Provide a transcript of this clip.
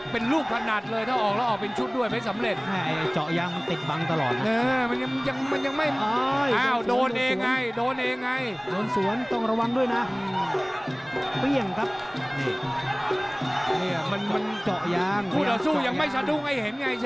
เป็นลูกพนัดเลยถ้าออกแล้วออกเป็นชุดด้วยเพชรสำเร็จ